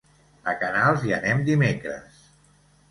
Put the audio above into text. A Canals hi anem dimecres.